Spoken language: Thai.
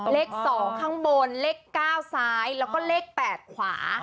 เลข๒ข้างบนเลข๙ซ้ายแล้วก็เลข๘ขวา